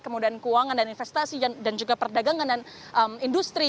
kemudian keuangan dan investasi dan juga perdagangan dan industri